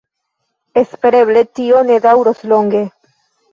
Espereble tio ne daŭros longe.